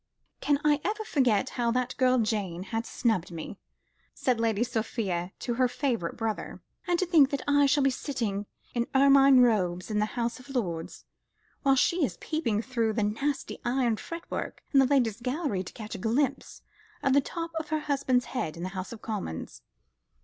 "Can I ever forget how that girl Jane has snubbed me?" said Lady Sophia to her favourite brother. "And to think that I shall be sitting in ermine robes in the House of Lords, while she is peeping through the nasty iron fretwork in the Ladies' Gallery to catch a glimpse of the top of her husband's head in the House of Commons."